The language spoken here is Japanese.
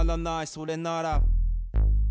「それなら」